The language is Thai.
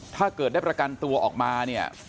ถ้าเกิดได้ประกันตัวออกมาเนี่ย